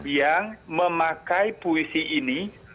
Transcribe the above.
yang memakai puisi ini